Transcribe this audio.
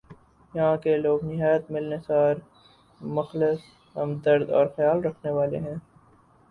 یہاں کے لوگ نہایت ملنسار ، مخلص ، ہمدرد اورخیال رکھنے والے ہیں ۔